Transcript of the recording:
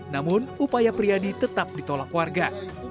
namun upaya priadi tetap ditolak warga